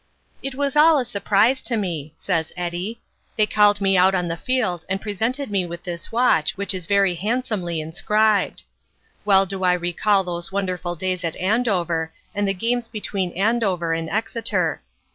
"It was all a surprise to me," says Eddie. "They called me out on the field and presented me with this watch which is very handsomely inscribed. "Well do I recall those wonderful days at Andover and the games between Andover and Exeter.